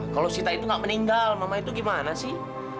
kalau sita itu nggak meninggal mama itu gimana sih